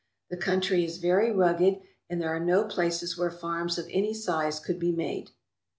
The country is very rugged, and there are no places where farms of any size could be made.